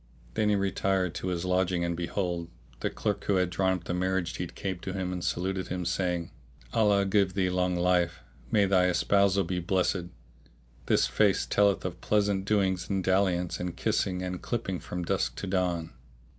Then he retired to his lodging and behold, the clerk who had drawn up the marriage deed came to him[FN#641] and saluted him, saying, "Allah give thee long life! May thy espousal be blessed! This face telleth of pleasant doings and dalliance and kissing and clipping from dusk to dawn."